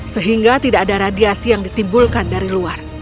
sehingga tidak ada radiasi yang ditimbulkan dari luar